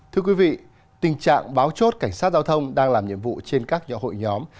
thưa quý vị tình trạng báo chốt cảnh sát giao thông đang làm nhiệm vụ trên các nhọ hội nhóm